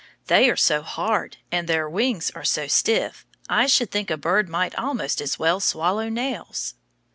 They are so hard and their wings are so stiff I should think a bird might almost as well swallow nails.